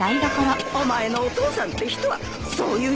お前のお父さんって人はそういう人ですよ！